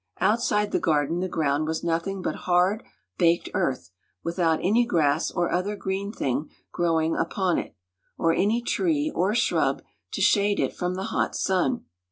Outside the garden the ground was nothing but hard, baked earth, without any grass or other green thing growing upon it, or any tree or shrub to shade it from the hot sun.